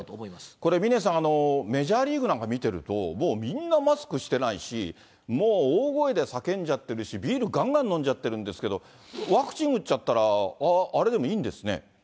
これ、峰さん、メジャーリーグなんか見てると、もうみんなマスクしてないし、もう大声で叫んじゃってるし、ビールがんがん飲んじゃってるんですけども、ワクチン打っちゃったら、あれでもいいんですね。